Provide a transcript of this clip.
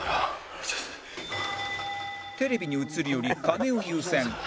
テレビに映るより金を優先